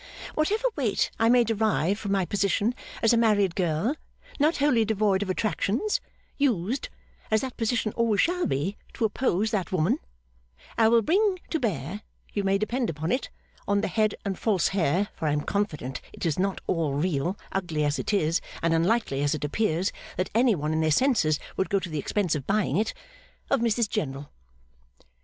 Whatever weight I may derive from my position as a married girl not wholly devoid of attractions used, as that position always shall be, to oppose that woman I will bring to bear, you May depend upon it, on the head and false hair (for I am confident it's not all real, ugly as it is and unlikely as it appears that any One in their Senses would go to the expense of buying it) of Mrs General!